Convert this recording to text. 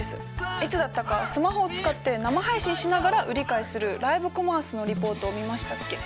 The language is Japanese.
いつだったかスマホを使って生配信しながら売り買いするライブコマースのリポートを見ましたっけ？